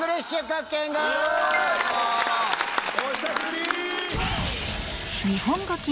お久しぶり！